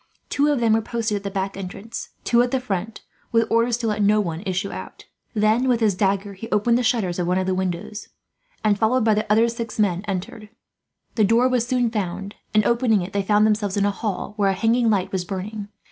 Two of them were posted at the back entrance, two at the front, with orders to let no one issue out. Then with his dagger he opened the shutters of one of the windows and, followed by the other six men, entered. The door was soon found and, opening it, they found themselves in a hall where a hanging light was burning.